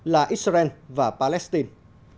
là israel và palestine